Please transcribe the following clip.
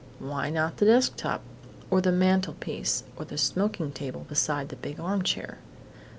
Why not the desk top, or the mantelpiece, or the smoking table beside the big armchair?